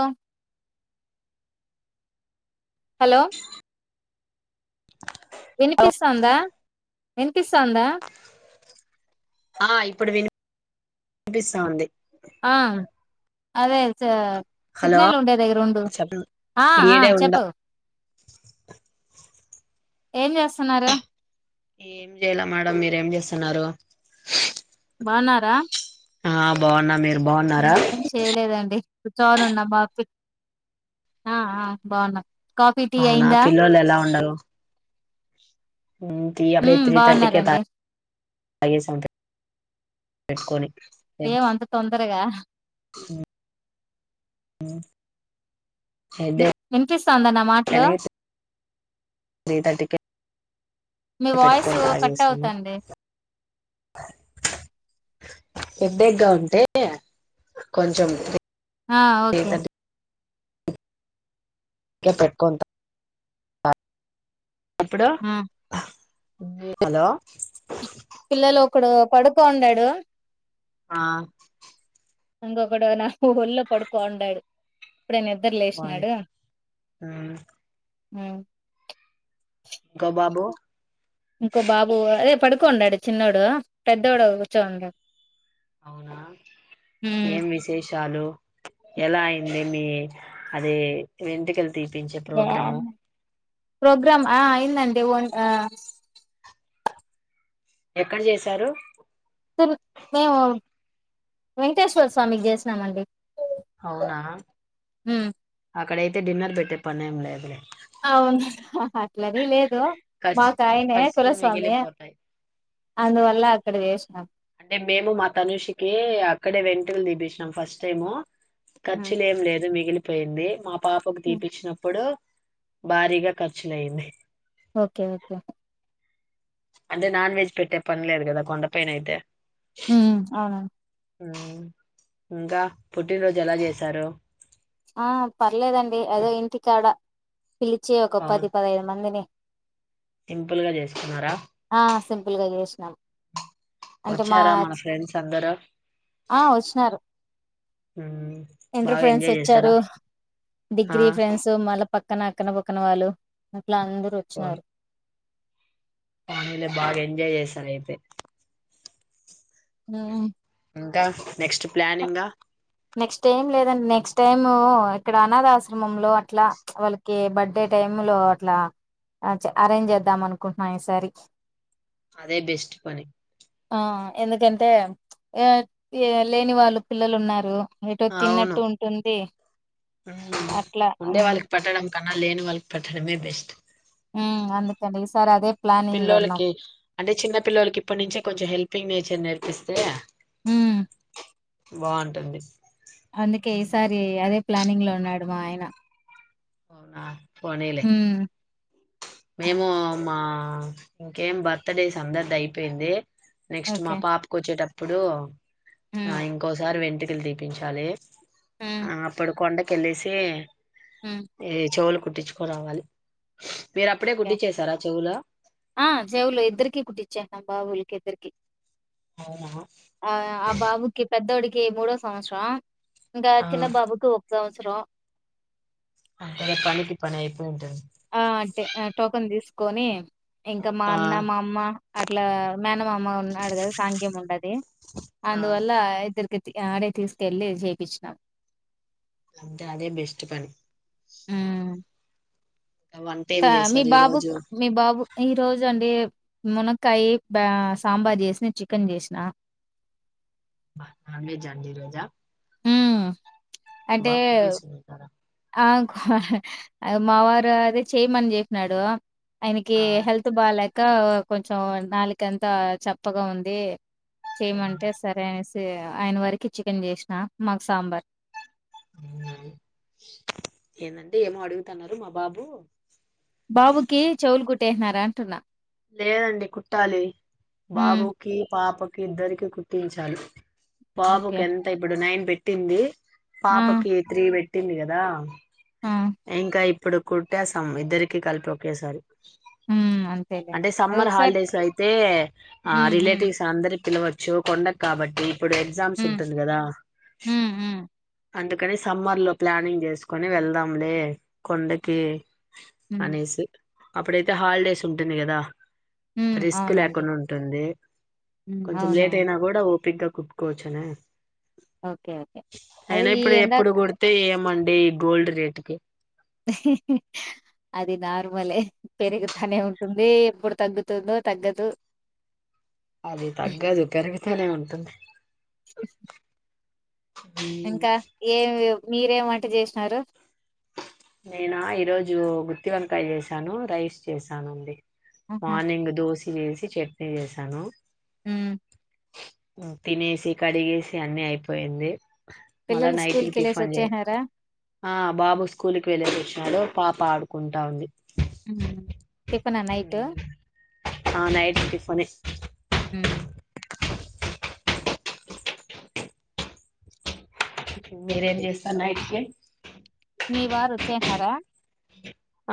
ఆ హలో వినిపిస్తౌందా ఆ ఇప్పుడు విని వినిపిస్తాంది ఆ అదే అయితే హలో సిగ్నల్ ఉండే దగ్గర ఉండు చెప్పండి ఆ ఆ ఈడే ఉండా చెప్పు ఏం చేస్తున్నారు ఏం చేయాల మేడం మీరు ఏం చేస్తున్నారు బావున్నారా ఆ బాగున్నా మీే ఏం చేయలేదండి కూర్చొన్నున్నా [unintelligible] ఆ బాగున్నా కాఫీ టీ అవునా అయిందా పిల్లలు ఎలా ఉండరు టీ అప్పుడే ఉమ్ త్రీ థర్టీకి బాగున్నారండి తాగేసు పెట్టుకొని ఏం అంత తొందరగా మ్ బి వినిపిస్తాందా నా మాట్లు త్రి థాటికే మీ వాయిసు కట్ అవుతాండే హెడేగా ఉంటే కొంచం ఆ ఒకే ఇ కా పెట్టుకొంతా ఎప్పుడు ఆ హలో పడుకో ఉడడు ఆ ఇంగొకడు నా ఒళ్ళో పడుకోండడు ఇప్పుడే నిద్ర బాగున్నాయి లేశనాడు హు గబబో ఇంకో బాబు అదే పడుకోండడు చిన్నోడు, పెద్దోడు ఉచ్చవుండు. అవునా ఉమ్. ఏం విశేష్ చాలు ఎలా అయింది. మీ అది వేంటికల్ తిపించే ప్రోగ్రాము ప్రోగ్రామ్ ఆ అయిందండి ఓన్ ఆ ఎక్కడ జేసారు తుమ్ మేము వెంకటేశ్వర స్వామికి జేశనమండి. అవునా ఆర్ అడైతే డిన్నర్ పెట్టే పనేమ్ లేదులే అవును అట్లని లేదు ఖర్చు మాకు ఆయనే ఖర్చులు కులస్వామే మిగిలిపోతాయి అందువల్ల ఇక్కడ వేష్నా అంటే మేము మా తనుషికి అక్కడే వెంటుకలు తిపించినాం ఫస్ట్ టైము ఉమ్. ఖర్చులు ఏం లేదు మిగిలి పోయింది మాప్ పాపకు ఉమ్. తీపిచ్చినప్పుడు భారీగా ఖర్చులయింది. ఓకే ఓకే అంటే నాన్ వెజ్ పెట్టే పనిలేదు కదా కొండపైనైతే ఉమ్ అవునండి. హు ఇంకా పుట్టినరోజు ఎలా జేశారు. ఆ పర్లేదండి అదో ఇంటి కాడ పిలిచి ఒక పది అవును పదహైదు మందిని సింపుల్ గా చేసుకున్నారా? పులుగ చేసినాం. అంటే మా ఒచ్చారా మన ఫ్రెండ్స్ అందరు? హ్మ్ ఎంటరు ఫ్రెండ్స్ వచ్చారు, ఆ డిగ్రీ ఫ్రెండ్స్, మళ్ళ పక్ క్కన అక్కన పక్కన వాళ్ళు. మ్ యా, అందరు వచ్చినారు. పోనిలే, బాగా ఎంజాయ్ చేశారయితే? అ ఇంకా? నెక్స్ట్ ప్లానింగా? నెక్స్ట్ ఏం లేదండి. నెక్స్ట్ టైము ఇక్కడ అనాథాశ్రమంలో అట్లా వాళ్ళకి, బర్త్డే టైమ్ లో అట్లా, చె అరేంజ్ చేద్దాం అనుకుంటున్నాం ఈసారి. అదే బెస్ట్ పని. ఆ ఎందుకంటే, ఎట్ ఏ లేని వాళ్ళు పిల్లలు ఉన్నార్ రూ ఏటో అవును తిన్నట్టు ఉంటుంది, మ్మ్. అట్లా ఉండే ఉమ్. వాళ్ళకి పెట్టడం కన్నా, లేని వాళ్ళక్ పెట్టడమే బెస్ట్. ఉమ్, అందుకండి ఈసారదే ప్ పిల్లోల్లకి అంటే, చిన్న పిల్లోలకి ఇప్పటి నుంచే కొంచెం హెల్పింగ్ నేచ్ చర్ నేర్పిస్తే హ్మ్ బాగుంటుంది. అందుకే, ఈసారి అదేప్ ప్లానింగ్ లో ఉన్నాడు మా ఆయన. అవునా! పోనీలే, ఉమ్ మేము మా ఆ, ఇంకేం బర్త్డేస్ అందర్దైపోయింది? నెక్స్ట్, మా ఓకే పాపకోచేటప్ ఇప్పుడూ ఆ, ఉమ్ ఇంకోసారి వెంట్రుకలు తీపించాలి. ఆ, అప్పుడు కొండక్ కెళ్ళేసి హ్మ్ ఏ, చెవులు కుట్టిచ్చుకొరావాలి. ఆ, చెవులు ఇద్దరుకి కుటిచ్చా, మా బాబోలకి. ద్దరికి అవునా, ఆ, ఆ బాబుకి పెద్దోడిక్ కే మూడో సంవత్సరం, ఆ ఇంకా, ఆ చిన్న బాబుకు ఒక సంవ్ త్సరం అంతలే పనికి పని అయిపో ఉంటది ఆ అట్టే ఆ టోకన్ తీసుకొని ఇంకా మా ఆ అన్న మా అమ్మ అట్లా మేనమామ ఉన్నాడు కదా! సాఘ్యం ఉండది ఆ అందువల్ల ఇద్దరికి ఆడే తీసుకెళ్ళి చేపిచ్చినాం అంతే అదే బెస్ట్ పని మ్ వంట ఏం మీ చేశారు ఈ బాబు రోజు క్ మీ బాబు ఈ రోజు అండి మునక్కాయి బ సాంబార్ చేసిన చికెన్ చేసిన అమి జాంది రొజా మ్మ్ అంటే బా కుమ్మేసి ఉంటార! ఆ మా వారు అదే చేయమని చెప్పినాడు ఆయనకి ఆ హెల్త్ బాగాలే ఇంకా కొంచం నాలుక అంతా చప్పగా ఉంది ఆ. చేయమంటే సరే అనేసి ఆయన వరకి చికెన్ చేసిన మాకు సాంబార్ ఏందండి ఏమో అడుగుతన్నారు మా బాబు బాబుకి చెవులు కుట్ టేహ్నారా అంటున్నా లేదండి కుట్టాలి హ్మ్. బాబుకి పాపకి ఇద్దరికి కుట్టించాలి ఓకే. బాబుకి ఎంత ఇప్పుడు నైన్ పెట్ తింది ఆ! పాపకి త్రి పెట్ తింది కదా! ఆ! ఇంకా ఇప్పుడు కుట్టేసం ఇద్దరికి కలిపి ఒకేసారి హ్మ్. అంతేలెండి. అంటే సమ్మర్ అదొకసారి హాలిడేస్ అయితే ఆ హ్మ్. హ్మ్. రిలేటివ్స్ అందరి పిలవచ్చు కొండకు కాబట్టి ఇప్పుడు ఎగ్జామ్స్ హ్మ్. ఉంటుంది కదా హ్మ్. హ్మ్. అందుకని సమ్మర్ లో ప్లానింగ్ చేసుకుని వెళ్దాం లే కొండకి హ్మ్. అనేసి అప్పుడైతే హాలిడేస్ ఉంటుంది కదా! హ్మ్. రిస్క్ అవునండి. లేకుండా ఉంటుంది హ్మ్. కొంచెం లేట్ అవునవును. అయినా కూడా ఓపిగ్గా కుట్కోవచ్చనా ఓకే. ఓకే. అదే అయినా ఈ ఇప్పుడు ఎప్పుడు ఎండాక కుడితే ఏమండి ఈ గోల్డ్ రేట్ ఓకే. అది నార్మలే, పెరుగుతానే ఉంటుంది. ఎప్పుడు తగ్గుతుందో తగ్గదు. అది తగ్గాదు. కరీమీ తోనే ఉంటుంది. ఇంకా, ఏమి మీరేమం టెట్ చేసినారు. నేనా, ఈ రోజు గుత్తి వంకాయ చేసాను, రైస్ చేసాను అండి. ఆహా మార్నింగ్ దోశే. ఇడ్లీ వేసి, చట్నీ చేశాను. మ్ తినేసి, కడిగేసి అన్ని అయిపోయింది. మళ్ల పిల్లలు స్కూల్ నైటికి కెళ్ళేసి టిఫిన్ చే, వచ్చేసినారా ఆ బాబు స్ ఇప్పుడే లేచింనాడు, పాప ఆడుకుంటా ఉంది. మ్మ్, టిఫినా నైట్. ఆ, నైట్ టిఫిన్. ఉమ్మ్ ఓకే మీరేం అండి. చేస్తారు నైట్‌కి? మీ వారు వచ్చేయింటున్నారా?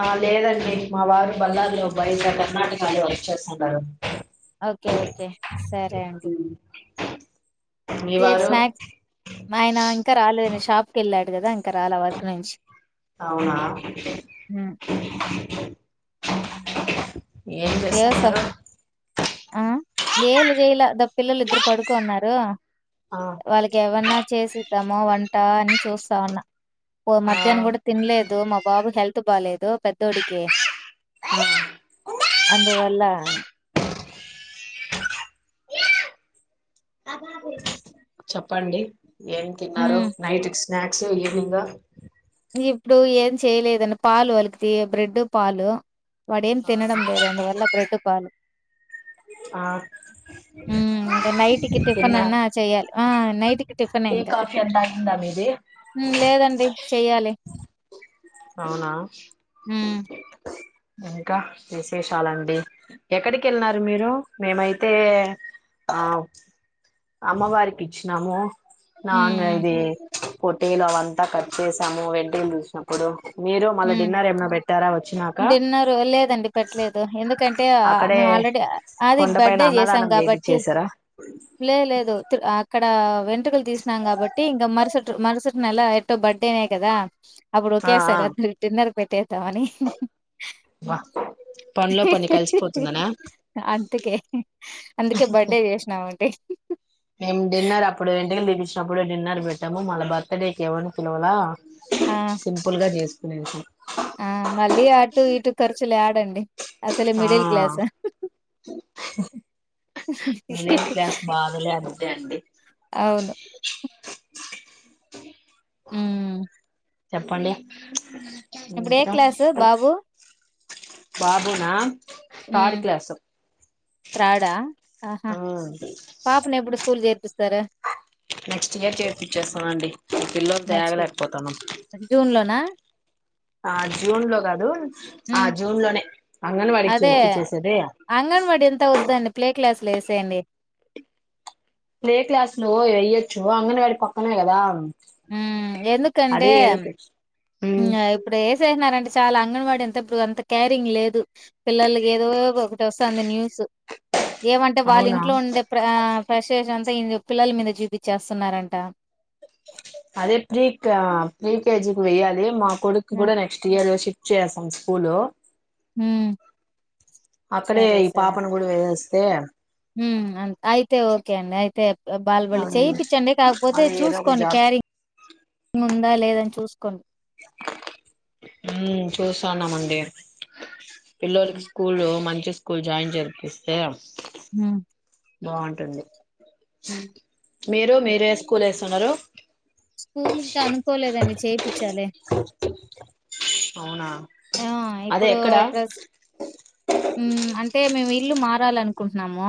ఆ, లేదండి. మా వారు బళ్లార్లో, అబ్బాయి కర్ణాటకలో వర్క్ చేస్తున్నారు. Okay okay. సరే అండి. మీ ఏం వారు స్నాక్స్. మా ఆయన ఇంకా రాలేదు, షాప్ కేళ్లాడు. కదా, ఇంకారాళ వర్క్ నుంచి. అవునా! హ్మ్ [unintelligible] ఏం వ్యవసా చేస్తున్నారు? ఆ, ఏం జేయలా! పిల్లలిద్దరూ పడుకొని ఉన్నారు. ఆ వాళ్లకి ఏవన్నా చేసిద్దామ వంట అని చూస్తాన్నా, ఓ ఆ మధ్యాహ్నం కూడా తినలేదు. మబ్ బాబు హెల్త్ బాలేదు, పెద్దోడికి. ఆ అందువల్ల, [unintelligible] చెప్పండి ఏం తిన్నారు, మ్మ్ నైట్ క్స్ స్నాక్స్, ఈవనింగ్. ఇప్పుడు ఏం చేయలేదన్న, పాలు వాలికితి బ్రెడ్ పాలు. వాడు ఏం తినడం ఆ లేదు, అందువల్ల బ్రెడ్ బాన్. ఆ, ఇంకా నైట్ కి తిన్నా టిఫినన్నా చెయ్యాలి ఆ నైట్ కి టిఫిన్ టీ ఇంక కాఫీ అంతా అయిందా మీది లేదండి చేయాలి అవునా ఇంకా విశేషాలండి ఎక్కడికి వెళ్ళినారు మీరు మేమైతే ఆ అమ్మవారికి ఇచ్చినాము మ్మ్ నన్ మ్మ్ ఇదే కొటీలు అవంతా కట్ చేసాము వెడ్డీలు ఉంచినం కుడుకొ మీరు మళ్ళ మ్మ్ డిన్నర్ ఏమనా పెట్టారా వచ్చ డిన్నర్ లేదండి పెట్టలేదు ఎందుకు ఎందుకంటే అక్కడే మేము ఆల్రెడీ అది కొండ పైన బర్త్డే చేసాం అన్నదానం కాబట్టి చేపిచ్చేసారా లేదు లేదు ఇక్కడ వెం టుకలు తీసినాం కాబట్టి ఇంకా మరుసటి మరుసటి నెల ఎటు బర్డేనే కదా అప్పుడు ఆ ఒకే ఆ సార్ అట్ల టిన్నర్ పెట్టేద్దామని వా పనిలో పని కలిసిపోతుందనా అందుకే అందుకే బర్డే చేేశినవా అంటయి మేము డిన్నర్ అప్పుడు వెంటికలు తీపిచినప్పుడు డిన్నర్ పెట్టాము మల్ల బర్త్ డేక ఏవర్ని పిలవల ఆ సింపుల్ గా చేస్ స్కునేది దండి ఆ మిడిల్ క్లాస్ బాధలంతే అండి అవును. ఊ చెప్పండి ఇప్పుడ ఏ ఇంకా క్లాసు బాబు బాబునా హమ్ థర్డ్ క్లాసు త్రాడా ఆ చేర్పిస్తారు? నెక్స్ట్ ఇయర్ చేర్పిచ్చేస్తమండి పిలల్తో నెక్స్ట్ ఏగలేకపోతానం ఇయర్ జూన్‌లోనా? ఆ జూన్ లో కాదు ఆ హ్మ్. జూన్ లోనే అంగన్వాడికి అదే చేర్పిచ్చేసేది అంగన్వాడి అంతా ఉద్దండి ప్లే క్లాసుల వేసేయండి ప్లే క్లాస్ లో వయ్యచ్చ అంగన్ వాడి పక్కనే కదా ఊ ఎందుకంటే అదే ఎల్కే ఉమ్ ఇంగ ఇప్పుడు ఏసేస్నర అంటే చాలా అంగన్వాడీ అంత ఇప్పుడు అంత కేరింగ్ లేదు పిల్లకి ఏదో ఒకటి వస్థాంది న్యూస్ ఏమంటే వాళ్ళ అవునా ఇంట్లో ఉండే ప్ర ప్రష్టేషన్ అంతా ఇంగ పిల్లల మీద చూపించేస్తున్నారంట అదే ప్రిక్ ప్రీకేజీకి వెయ్యాలి మా ఆ! కొడుక్కూడా నెక్స్ట్ ఇయర్ వోచ్చి చేస్సాం స్కూలు హ్మ్. అక్కడే సరే, ఈ పాపను కూడ వేసేస్ స్తే ఊ అం అయితే ఓకే అండి అయితే బాలబడ్ల్లో చేయిర్పించండి కాకపోతే అది ఏదో ఒక చూసుకోండి జాబ్ క్యారింగ్ ముందు రాలేదని చూస్కోండి. ఊ చూస్తాన్నామండి. పిల్లోల్కి స్కూల్ మంచి స్కూల్ జాయిన్ చేరిపిస్తే ఆ బాగుంటుంది. మీరు మీర ఏ ఓకే. స్కూల్ వేస్తన్నారు. స్కూల్ ఇంకా అనుకోలేదండి. చేర్పిచ్చాలే అవునా ఆ అదే ఇప్పుడు ఎక్కడ ప్రస్ ఊ అం ంటే మేము ఇల్లు మారాలనుకుంటునాము.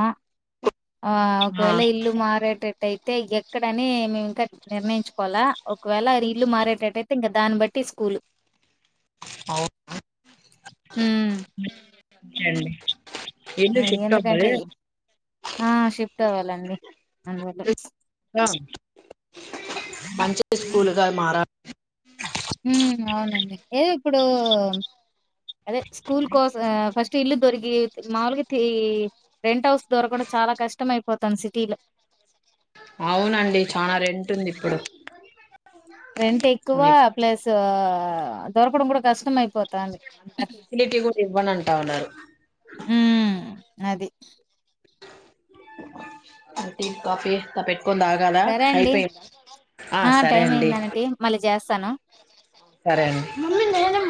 ఆ ఆ ఒకవేళ ఇల్లు మారేటట్టై అయితే ఎక్కడని మేము ఇంకా నిర్ణయించుకోవాలా ఒకవేళ ఇల్లు మారేటట్టయితే ఇంకా దాన్ని బట్టి స్కూల్ అవునా హూ ఏందో ఎందుకంటే [unintelligible] ఆ షిఫ్ట్ అవ్వాలండి అందువల్ల మంచి స్కూలుగా మారా ఊ అవునండి ఏదో ఇప్పుడు అదే స్కూల్ కోస్ ఆ ఫస్ట్ ఇల్లు దొరికి మాముూలుగా తీ రెంట్ హౌస్ దొరకడం చాలా కష్టం అయిపోతాంది సిటీలో అవునండి చానా రెంట్ ఉంది ఇప్పుడు రెంట్ ఎక్కువ ప్లస్ ఆ దొరకడం కూడా కష్టం అయిపోతాంది. అంత ఫెసిలిటీ కూడా ఇవ్వనంటా ఉండారు. హ్మ్. అది ఆ టీ కాఫీ తపెట్ సరే అండి ఆ సరే టైం అండి అయిందనటి మళ్ళ చేస్తాను సరే అండి